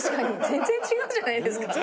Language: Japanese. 全然違うじゃないですか。